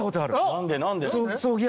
何で何で？